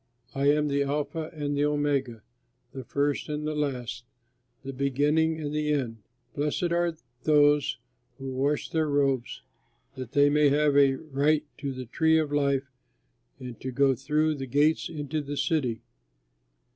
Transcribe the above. I am the Alpha and the Omega, the First and the Last, the Beginning and the End. Blessed are those who wash their robes, that they may have a right to the tree of life and to go through the gates into the city.